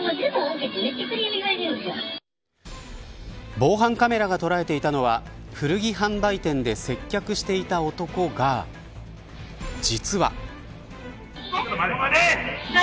防犯カメラが捉えていたのは古着販売店で接客していた男が実は。